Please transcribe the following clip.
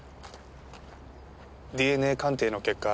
ＤＮＡ鑑定の結果